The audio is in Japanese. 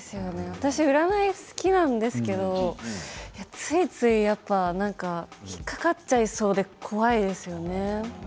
私、占いが好きなんですけれどついついやっぱ引っ掛かっちゃいそうで怖いですよね。